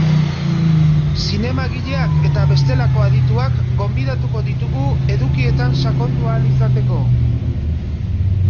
Zinemagileak eta bestelako adituak gonbidatuko ditugu edukietan sakondu ahal izateko.